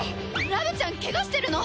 ラブちゃんケガしてるの！？